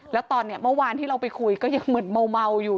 แล้วตอนนี้เมื่อวานที่เราไปคุยก็ยังเหมือนเมาอยู่